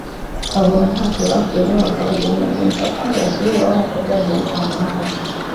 babona ntacyo bakuyemo bakabajugunya ku mipaka ngo basubire iwabo nkuko byagiye bitangwamo ubuhamya